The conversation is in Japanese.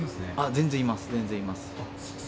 全然います、全然います。